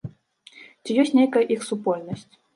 Ці ёсць нейкая іх супольнасць?